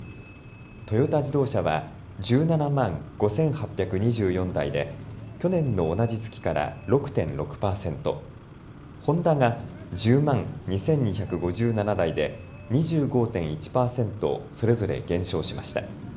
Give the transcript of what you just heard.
トヨタ自動車は１７万５８２４台で去年の同じ月から６．６％、ホンダが１０万２２５７台で２５．１％それぞれ減少しました。